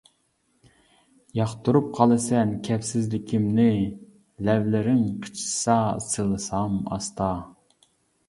ياقتۇرۇپ قالىسەن كەپسىزلىكىمنى، لەۋلىرىڭ قىچىشسا سىلىسام ئاستا.